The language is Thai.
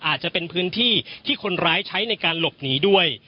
อาจจะเป็นพื้นที่ที่คนร้ายใช้ในการหลบหนีด้วย